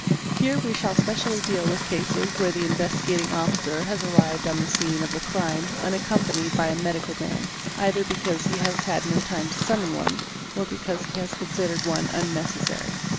Here we shall specially deal with cases where the Investigating Officer has arrived on the scene of the crime unaccompanied by a medical man, either because he has had no time to summon one, or because he __ has considered one unnecessary.